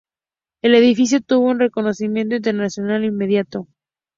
El edificio tuvo un reconocimiento internacional inmediato.